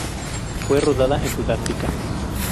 Fue rodada en Sudáfrica.